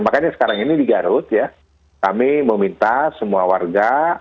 makanya sekarang ini di garut ya kami meminta semua warga